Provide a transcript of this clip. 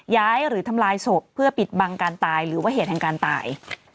หรือทำลายศพเพื่อปิดบังการตายหรือว่าเหตุแห่งการตาย